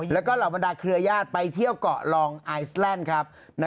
แล้วก็เหล่าบรรดาเครือญาติไปเที่ยวเกาะลองไอซแลนด์ครับ